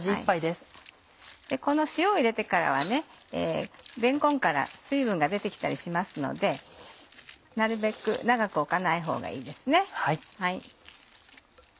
この塩を入れてからはれんこんから水分が出て来たりしますのでなるべく長く置かないほうがいいです。